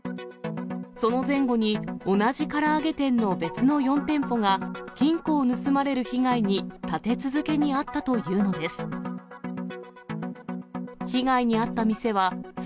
その前後に、同じから揚げ店の別の４店舗が、金庫を盗まれる被害に、立て続けに遭ったというのです。